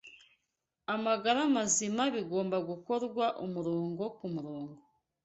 amagara mazima bigomba gukorwa umurongo ku murongo